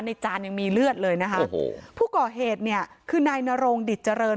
จานยังมีเลือดเลยนะคะโอ้โหผู้ก่อเหตุเนี่ยคือนายนโรงดิตเจริญ